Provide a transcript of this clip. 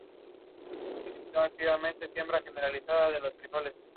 Descubrió la fantasía heroica mientras estudiaba en la Universidad de Misuri.